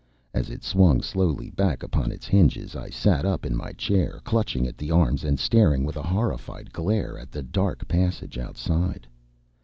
As it swung slowly back upon its hinges, I sat up in my chair, clutching at the arms, and staring with a horrified glare at the dark passage outside.